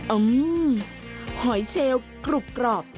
อืมหอยเชลกรุบกรอบ